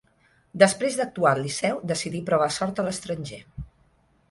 Després d'actuar al Liceu decidí provar sort a l'estranger.